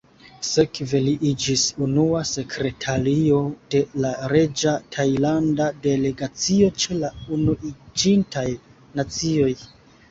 Sekve li iĝis unua sekretario de la reĝa tajlanda delegacio ĉe la Unuiĝintaj Nacioj.